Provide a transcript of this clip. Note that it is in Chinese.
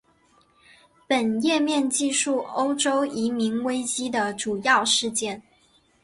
本页面记叙欧洲移民危机的主要事件。